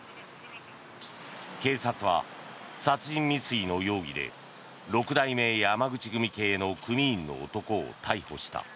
警察は殺人未遂の容疑で六代目山口組系の組員の男を逮捕した。